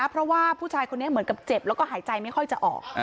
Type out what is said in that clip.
เพราะว่าผู้ชายคนนี้เหมือนกับเจ็บแล้วก็หายใจไม่ค่อยจะออก